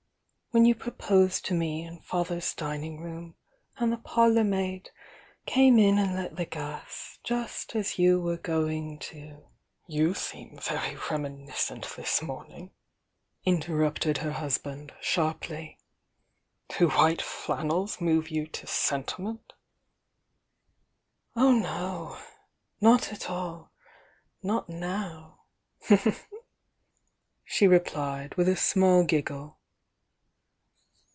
When you proposed to me in father's dining room and the parlour maid came in and lit the gas, just as you were going to " 'Tou seem very reminiscent this morning," in 64 THE YOUNG DIANA "Do white flan terrupted her husband, sharply nels move you to sentiment?" "Oh, no!— not at all— not now!" she replied, with a small giggle.